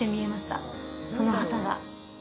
その旗が。